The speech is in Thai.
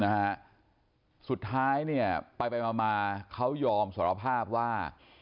นะฮะสุดท้ายเนี่ยไปไปมามาเขายอมสารภาพว่า